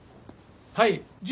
はい。